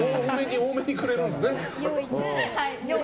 多めにくれるんですね。